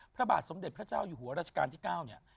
พระบาทสมเด็จพระเจ้าอยู่หัวราชการที่๙เนี่ย